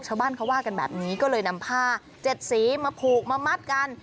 ชาวบ้านเขาว่ากันแบบนี้ก็เลยนำผ้า๗สีมาผูกมามัดกัน